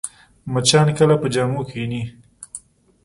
مچان کله پر جامو کښېني